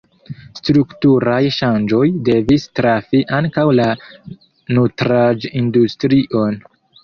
Strukturaj ŝanĝoj devis trafi ankaŭ la nutraĵindustrion.